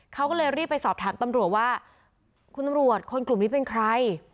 เขาก็เลยรีบไปสอบถามตำรวจว่าคุณตำรวจคนกลุ่มนี้เป็นใคร